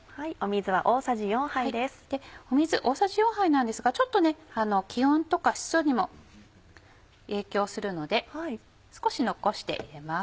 水大さじ４杯なんですが気温とか湿度にも影響するので少し残して入れます。